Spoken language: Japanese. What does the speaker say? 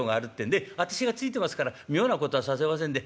ええ私がついてますから妙なことはさせませんで。